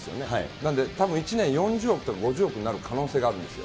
なんで、たぶん１年４０億とか５０億になる可能性があるんですよ。